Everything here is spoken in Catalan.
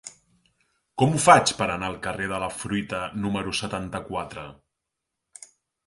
Com ho faig per anar al carrer de la Fruita número setanta-quatre?